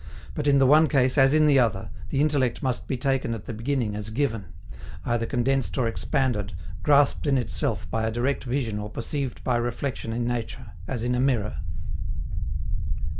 But, in the one case as in the other, the intellect must be taken at the beginning as given either condensed or expanded, grasped in itself by a direct vision or perceived by reflection in nature, as in a mirror.